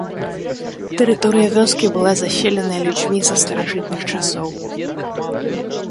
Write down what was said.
Тэрыторыя вёскі была заселена людзьмі са старажытных часоў.